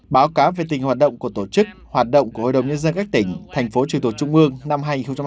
báo cáo về tình hoạt động của tổ chức hoạt động của hội đồng nhân dân các tỉnh thành phố trực thuộc trung ương năm hai nghìn hai mươi ba